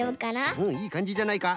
うんいいかんじじゃないか。